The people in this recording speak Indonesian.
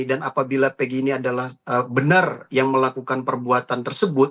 dan apabila peggy ini adalah benar yang melakukan perbuatan tersebut